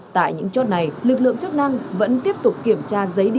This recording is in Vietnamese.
tại những chốt này lực lượng chức năng vẫn tiếp tục kiểm tra giấy đi